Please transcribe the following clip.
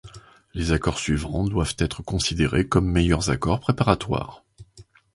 Les accords suivants doivent être considérés comme meilleurs accords préparatoires.